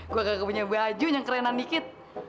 gue gak punya baju yang kerenan dikit